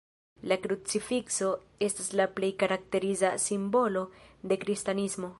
La krucifikso estas la plej karakteriza simbolo de kristanismo.